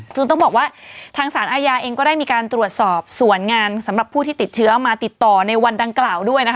ซึ่งต้องบอกว่าทางสารอาญาเองก็ได้มีการตรวจสอบส่วนงานสำหรับผู้ที่ติดเชื้อมาติดต่อในวันดังกล่าวด้วยนะคะ